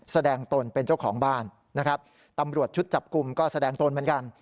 ตนเป็นเจ้าของบ้านนะครับตำรวจชุดจับกลุ่มก็แสดงตนเหมือนกัน